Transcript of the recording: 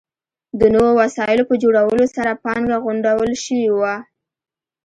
د نویو وسایلو په جوړولو سره پانګه غونډول شوې وه.